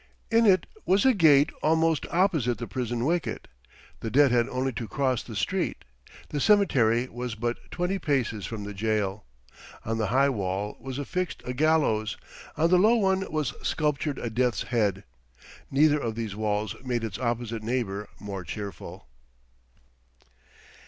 In it was a gate almost opposite the prison wicket. The dead had only to cross the street; the cemetery was but twenty paces from the jail. On the high wall was affixed a gallows; on the low one was sculptured a Death's head. Neither of these walls made its opposite neighbour more cheerful.